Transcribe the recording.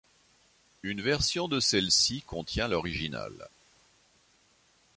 Une version de celle-ci contient l'originale.